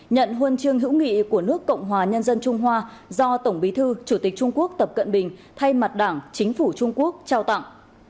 nhận huân chương hữu nghị của nước cộng hòa nhân dân trung hoa do tổng bí thư chủ tịch trung quốc tập cận bình thay mặt đảng chính phủ trung quốc trao tặng